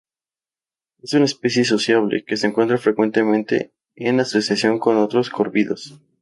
Es una especie sociable que se encuentra frecuentemente en asociación con otros córvidos.